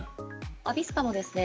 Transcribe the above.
アビスパもですね